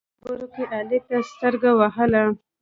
احمد په خبرو کې علي ته سترګه ووهله.